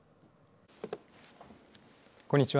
こんにちは。